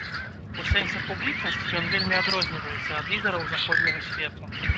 У сэнсе публічнасці ён вельмі адрозніваецца ад лідараў заходняга свету.